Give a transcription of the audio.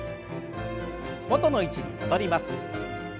元の位置に戻ります。